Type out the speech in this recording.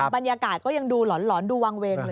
บรรยากาศก็ยังดูหลอนดูวางเวงอยู่